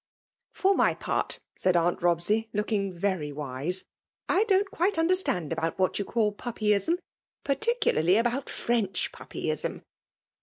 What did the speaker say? '' ''For iny part/' said annt !Robsey^ looking very^ wise, '* I do&'t quite understand about what yon call puppyism, — particularly about French puppyism.